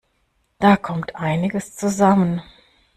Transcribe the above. Da kommt einiges zusammen.